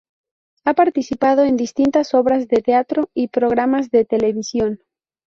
Ha participado en distintas obras de teatro y programas de televisión.